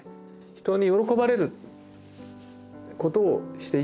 人に喜ばれることをしていたっていう。